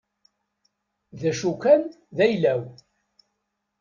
D acu kan, d ayla-w.